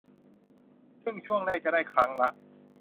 ซึ่งช่วงแรกจะได้ครั้งละ